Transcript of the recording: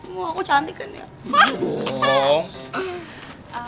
mau aku cantik kan ya